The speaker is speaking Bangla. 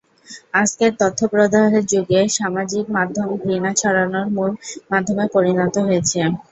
আজকের তথ্যপ্রবাহের যুগে সামাজিক মাধ্যম ঘৃণা ছড়ানোর মূল মাধ্যমে পরিণত হয়েছে।